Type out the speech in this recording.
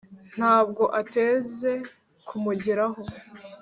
nta bwo ateze kumugeraho